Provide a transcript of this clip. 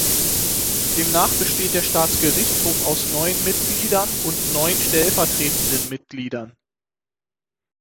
Demnach besteht der Staatsgerichtshof aus neun Mitgliedern und neun stellvertretenden Mitgliedern.